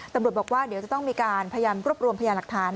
ตำรวจบอกว่าเดี๋ยวจะต้องมีการพยายามรวบรวมพยาหลักฐาน